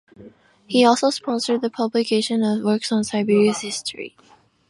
He also sponsored the publication of works on Siberia's history.